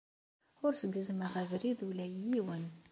Ur as-gezzmeɣ abrid ula i yiwen.